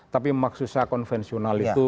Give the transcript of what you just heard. tapi maksud saya konvensional itu